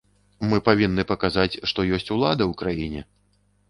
Мы павінны паказаць, што ёсць ўлада ў краіне.